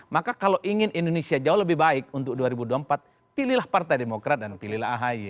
maka kalau ingin indonesia jauh lebih baik untuk dua ribu dua puluh empat pilihlah partai demokrat dan pilihlah ahy